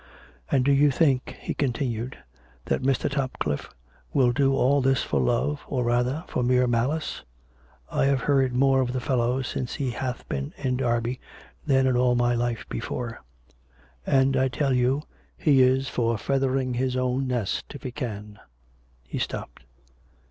" And do you think," he continued, " that Mr. Topcliffe will do all this for love, or rather, for mere malice .'' I have heard more of the fellow since he hath been in Derby than in all my life before; and, I tell you, he is for feathering Ills own nest if he can." He stopped.